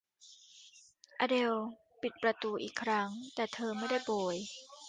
อเดลปิดประตูอีกครั้ง แต่เธอไม่ได้โบย